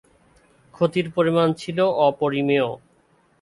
ক্ষতির পরিমাণ ছিল অপরিমেয়।